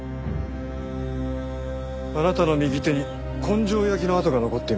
あなたの右手に根性焼きの痕が残っていますよね。